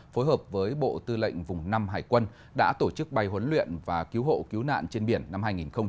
phối hợp với bộ tư lệnh vùng năm hải quân đã tổ chức bay huấn luyện và cứu hộ cứu nạn trên biển năm hai nghìn hai mươi